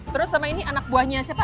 terus sama ini anak buahnya siapa